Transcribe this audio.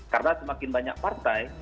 karena semakin banyak partai